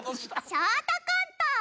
ショートコント！